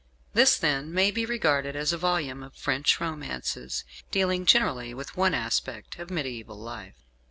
This, then, may be regarded as a volume of French romances, dealing, generally, with one aspect of mediaeval life.